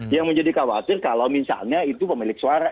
yang menjadi khawatir kalau misalnya itu pemilik suara